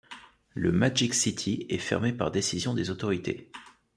Le Magic City est fermé par décision des autorités.